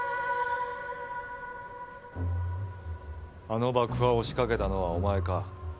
あの爆破を仕掛けたのはお前か？